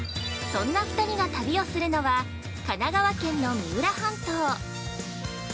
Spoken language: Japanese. そんな２人が旅をするのは、神奈川県の三浦半島。